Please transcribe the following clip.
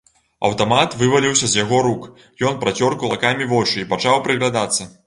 Аўтамат вываліўся з яго рук, ён працёр кулакамі вочы і пачаў прыглядацца.